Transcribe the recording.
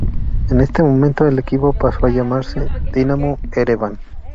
En este momento el equipo pasó a llamarse Dinamo Ereván.